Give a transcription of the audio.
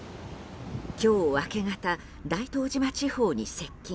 今日明け方、大東島地方に接近。